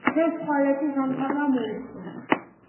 დღეს-ხვალეთი ზამთარმა მოუსწრო